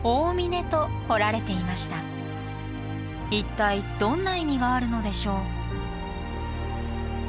一体どんな意味があるのでしょう？